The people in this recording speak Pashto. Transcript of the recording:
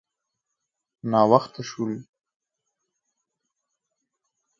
_ناوخته شول.